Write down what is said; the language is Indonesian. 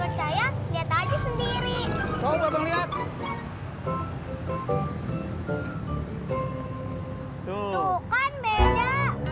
percaya lihat aja sendiri coba lihat tuh kan beda